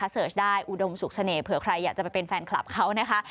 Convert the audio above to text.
เสิร์ชได้อุดมสุขเสน่หเผื่อใครอยากจะไปเป็นแฟนคลับเขานะคะ